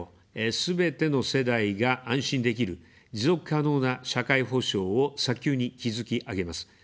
すべての世代が安心できる、持続可能な社会保障を早急に築き上げます。